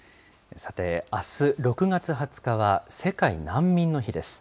さて、あす６月２０日は、世界難民の日です。